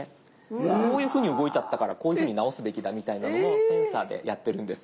こういうふうに動いちゃったからこういうふうに直すべきだみたいなのもセンサーでやってるんです。